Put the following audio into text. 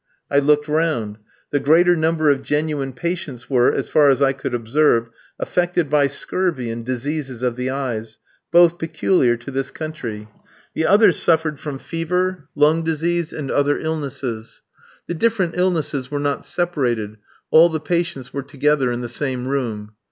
I looked round. The greater number of genuine patients were, as far as I could observe, affected by scurvy and diseases of the eyes both peculiar to this country. The others suffered from fever, lung disease, and other illnesses. The different illnesses were not separated; all the patients were together in the same room.